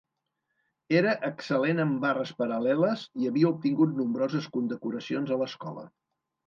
Era excel·lent en barres paral·leles i havia obtingut nombroses condecoracions a l'escola.